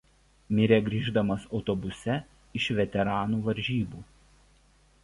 Mirė grįždamas autobuse iš veteranų varžybų.